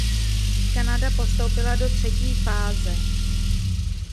Kanada postoupila do třetí fáze.